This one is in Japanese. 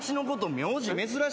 名字珍しいで。